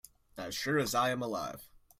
As sure as I am alive.